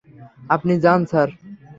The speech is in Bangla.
আপনি যান, স্যার।